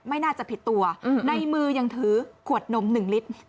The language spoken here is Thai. ไม่น่าจะผิดตัวในมือยังถือขวดนม๑ลิตร